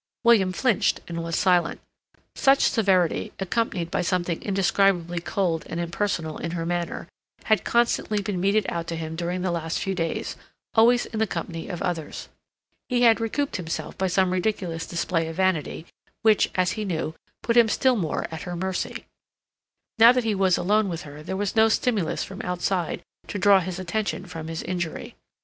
William flinched and was silent. Such severity, accompanied by something indescribably cold and impersonal in her manner, had constantly been meted out to him during the last few days, always in the company of others. He had recouped himself by some ridiculous display of vanity which, as he knew, put him still more at her mercy. Now that he was alone with her there was no stimulus from outside to draw his attention from his injury.